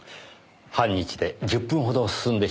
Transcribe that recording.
半日で１０分ほど進んでしまいます。